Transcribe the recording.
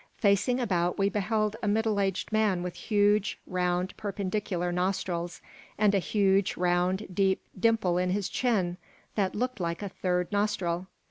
Facing about, we beheld a middle aged man with huge, round, perpendicular nostrils and a huge, round, deep dimple in his chin that looked like a third nostril.